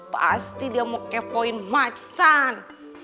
pasti dia mau kepoin macan